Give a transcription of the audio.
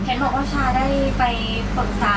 เห็นบอกว่าชาได้ไปปรึกษา